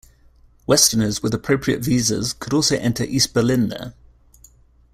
Westerners with appropriate visas could also enter East Berlin there.